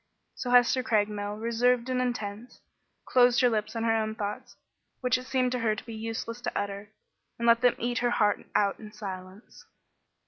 So Hester Craigmile, reserved and intense, closed her lips on her own thoughts, which it seemed to her to be useless to utter, and let them eat her heart out in silence.